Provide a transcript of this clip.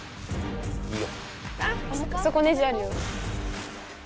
・いいよ。